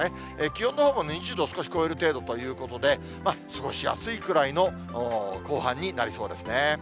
気温のほうも２０度を少し超える程度ということで、過ごしやすいくらいの後半になりそうですね。